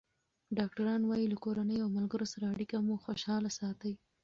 ډاکټران وايي له کورنۍ او ملګرو سره اړیکه مو خوشحاله ساتي.